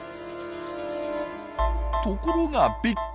ところがびっくり。